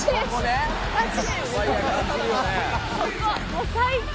もう最高！